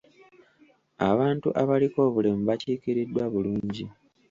Abantu abaliko obulemu bakiikiriddwa bulungi.